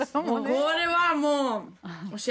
これはもう幸せ！